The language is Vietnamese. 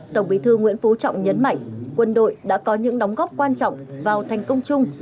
tổng bí thư nguyễn phú trọng nhấn mạnh quân đội đã có những đóng góp quan trọng vào thành công chung